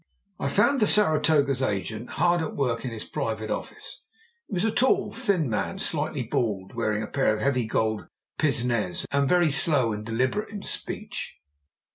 I found the Saratoga's agent hard at work in his private office. He was a tall, thin man, slightly bald, wearing a pair of heavy gold pince nez, and very slow and deliberate in speech.